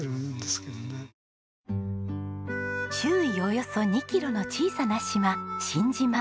周囲およそ２キロの小さな島新島。